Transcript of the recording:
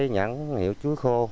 nhãn hiệu chuối khô